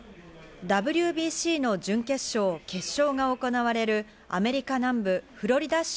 ＷＢＣの準決勝、決勝が行われるアメリカ南部フロリダ州